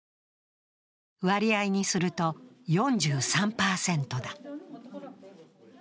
割合にすると、４３％だ。